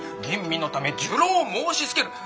吟味のため入牢を申しつける」。